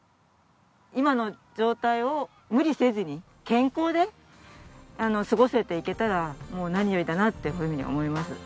今の状態を無理せずに健康で過ごせていけたら何よりだなってふうに思います。